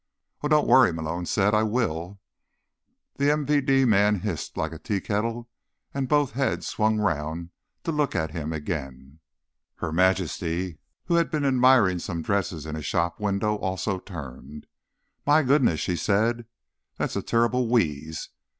"Oh, don't worry," Malone said. "I will." The MVD man hissed like a teakettle and both heads swung round to look at him again. Her Majesty, who had been admiring some dresses in a shop window, also turned. "My goodness," she said. "That's a terrible wheeze.